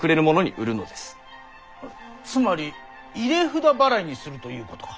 つまり入札払いにするということか？